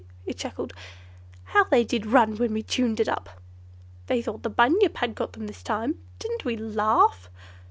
it chuckled, "how they did run when we tuned up! They thought the Bunyip had got them this time. Didn't we laugh!"